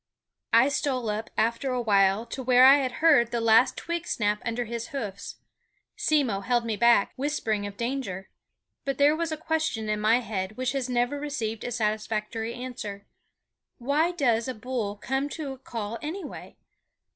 I stole up after a while to where I had heard the last twig snap under his hoofs. Simmo held me back, whispering of danger; but there was a question in my head which has never received a satisfactory answer: Why does a bull come to a call anyway?